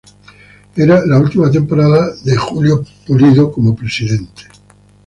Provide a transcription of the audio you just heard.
Era la última temporada de Julio Pulido como presidente.